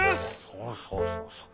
そうそうそうそう。